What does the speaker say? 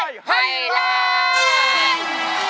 ร้องได้ให้ล้าน